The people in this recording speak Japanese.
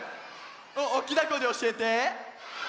おっきなこえでおしえて！